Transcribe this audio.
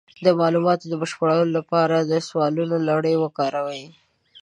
د معلوماتو د بشپړولو لپاره د سوالونو لړۍ وکاروئ.